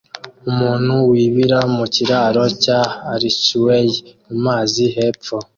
Umuntu wibira mu kiraro cya archway mumazi hepfo